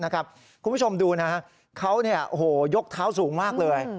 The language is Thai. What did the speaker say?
คุณผู้ชมดูนะครับเขาเนี่ยโหยกเท้าสูงมากเลย